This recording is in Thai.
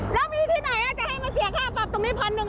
แล้วมีที่ไหนจะให้มาเสียค่าปรับตรงนี้พันหนึ่ง